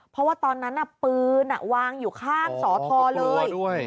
เพราะว่าตอนนั้นน่ะปืนอ่ะวางอยู่ข้างสอทรเลยก็กลัวด้วย